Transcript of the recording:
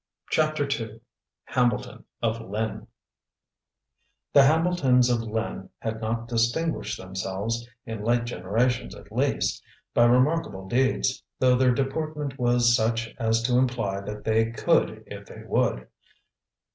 CHAPTER II HAMBLETON OF LYNN The Hambletons of Lynn had not distinguished themselves, in late generations at least, by remarkable deeds, though their deportment was such as to imply that they could if they would.